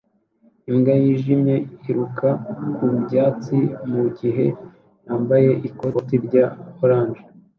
Imbwa yijimye yiruka ku byatsi mugihe yambaye ikoti rya orange